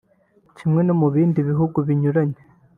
Kimwe no mu bindi bihugu binyuranye